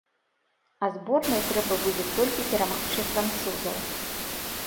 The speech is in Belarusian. А зборнай трэба будзе толькі перамагчы французаў.